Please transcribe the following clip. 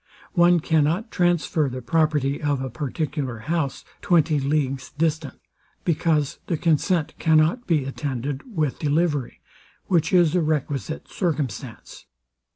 One cannot transfer the property of a particular house, twenty leagues distant; because the consent cannot be attended with delivery, which is a requisite circumstance.